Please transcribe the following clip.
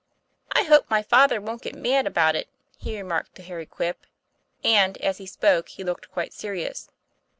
'I hope my father won't get mad about it," he remarked to Harry Quip; and as he spoke he looked quite serious.